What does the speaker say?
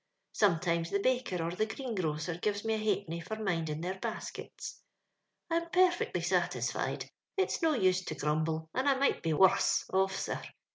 Sometimes the baker or the greengrocer gives me a ha'penny for minding their baskets. «< I'm perfectly satisfied ; it's no use to grumble, and I might be worms ofi*, sir.